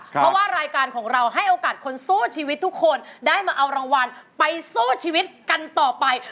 เพราะว่ารายการของเราให้โอกาสคนสู้ชีวิตทุกคนได้มาเอารางวัลไปสู้ชีวิตกันต่อไป